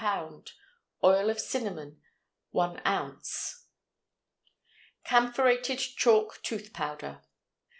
Oil of cinnamon 1 oz. CAMPHORATED CHALK TOOTH POWDER.